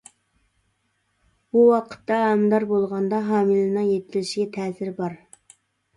بۇ ۋاقىتتا ھامىلىدار بولغاندا ھامىلىنىڭ يېتىلىشىگە تەسىرى بار.